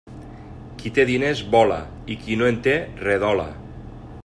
Qui té diners vola i qui no en té redola.